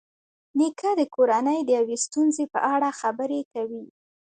نیکه د کورنۍ د یوې ستونزې په اړه خبرې کوي.